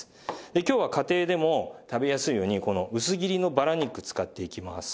今日は家庭でも食べやすいようにこの薄切りのバラ肉使っていきます。